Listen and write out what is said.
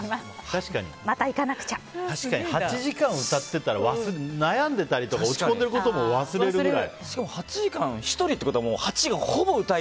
確かに８時間歌っていたら悩んでたりとか落ち込んでたことも忘れるくらい。